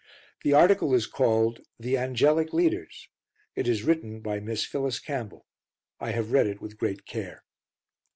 The article is called "The Angelic Leaders" It is written by Miss Phyllis Campbell. I have read it with great care.